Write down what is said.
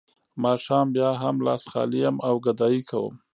ماښام بیا هم لاس خالي یم او ګدايي کوم